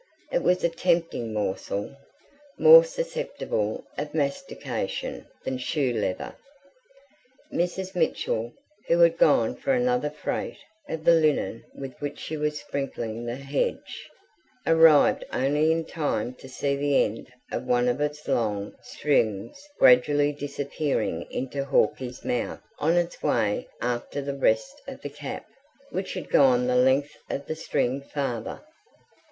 It was a tempting morsel more susceptible of mastication than shoe leather. Mrs. Mitchell, who had gone for another freight of the linen with which she was sprinkling the hedge, arrived only in time to see the end of one of its long strings gradually disappearing into Hawkie's mouth on its way after the rest of the cap, which had gone the length of the string farther.